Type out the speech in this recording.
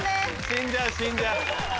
死んじゃう死んじゃう。